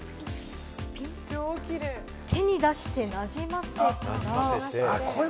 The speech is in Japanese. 手に出して、なじませて。